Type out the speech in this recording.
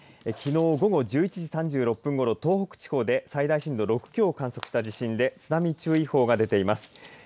きのう午後１１時３６分ごろ東北地方で最大震度６強を観測した地震で津波注意報が出ています。